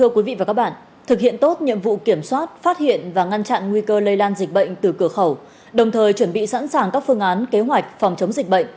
các bạn hãy đăng ký kênh để ủng hộ kênh của chúng mình nhé